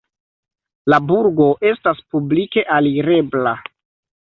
La burgo estas publike alirebla.